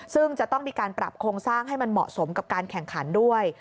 ซึ่งจะต้องมีการปรับโครงสร้างให้มันเหมาะสมกับการแข่งขันด้วย